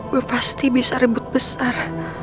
gue pasti bisa rebut besar